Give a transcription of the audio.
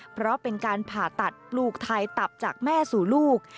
เพราะเป็นการผ่าตัดปลูกไทยตับจากแม่สู่ลูก